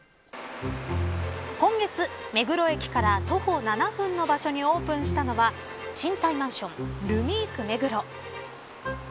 今月、目黒駅から徒歩７分の場所にオープンしたのは賃貸マンション、ルミーク目黒。